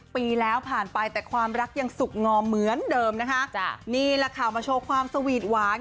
ปีแล้วผ่านไปแต่ความรักยังสุขงอเหมือนเดิมนะคะจ้ะนี่แหละค่ะมาโชว์ความสวีทหวาน